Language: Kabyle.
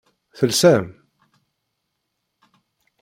Telsam?